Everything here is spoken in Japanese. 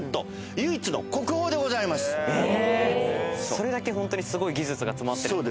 それだけホントにすごい技術が詰まってる。